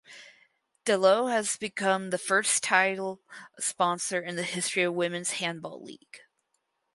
Delo has become the first title sponsor in the history of Women’s Handball League.